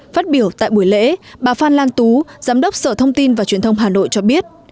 phát biểu tại buổi lễ bà phan lan tú giám đốc sở thông tin và truyền thông hà nội cho biết